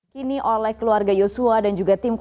kini oleh keluarga yosua dan juga tim kuasa